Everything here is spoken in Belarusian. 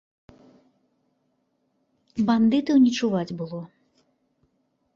Бандытаў не чуваць было.